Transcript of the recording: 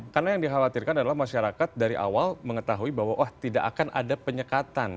karena yang dikhawatirkan adalah masyarakat dari awal mengetahui bahwa tidak akan ada penyekatan